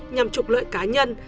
nhằm trục lợi cá nhân